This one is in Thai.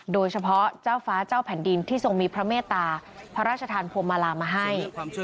โดยเฉพาะเจ้าฟ้าเจ้าแผ่นดินที่ทรงมีพระเมตตาพระราชทานพวงมาลามาให้